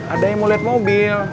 ada yang mau lihat mobil